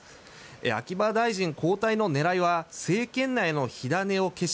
秋葉大臣交代の狙いは政権内の火種を消し